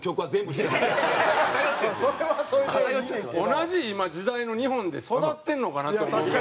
同じ今時代の日本で育ってるのかなって思うぐらい。